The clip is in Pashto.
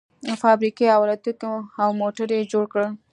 فابريکې او الوتکې او موټر يې جوړ کړل.